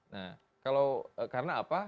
nah karena apa